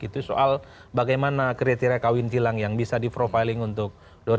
itu soal bagaimana kriteria kawin tilang yang bisa di profiling untuk dua ribu dua puluh